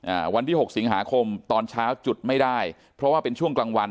อ่าวันที่หกสิงหาคมตอนเช้าจุดไม่ได้เพราะว่าเป็นช่วงกลางวัน